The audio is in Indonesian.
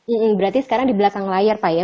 ini berarti sekarang di belakang layar pak ya